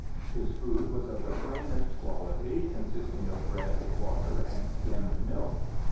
His food was of the plainest quality, consisting of bread, water, and skimmed milk.